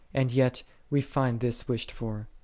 And yet we find this wished for.